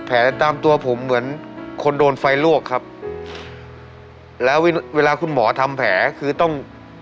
ตามตัวผมเหมือนคนโดนไฟลวกครับแล้วเวลาคุณหมอทำแผลคือต้อง